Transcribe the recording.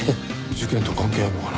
事件と関係あるのかな？